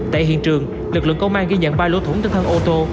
tại hiện trường lực lượng công an ghi nhận ba lỗ thủng trên thân ô tô